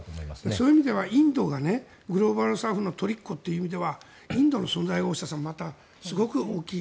そういう意味ではインドがグローバルサウスの取りっこという意味ではインドの存在がまたすごく大きい。